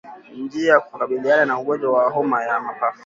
Njia ya kukabiliana na ugonjwa wa homa ya mapafu